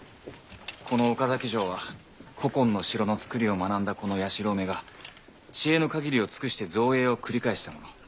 この岡崎城は古今の城の造りを学んだこの弥四郎めが知恵の限りを尽くして造営を繰り返したもの。